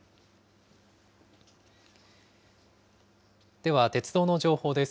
では、鉄道の情報です。